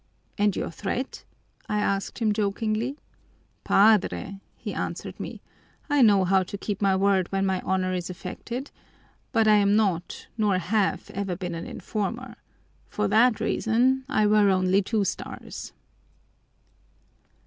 'And your threat?' I asked him jokingly. 'Padre,' he answered me, 'I know how to keep my word when my honor is affected, but I am not nor have ever been an informer for that reason I wear only two stars.'"